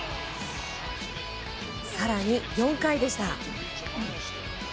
更に４回でした。